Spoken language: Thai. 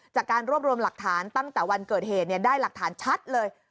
จากการรวบรวมหลักฐานตั้งแต่วันเกิดเหตุได้หลักฐานชัดเลย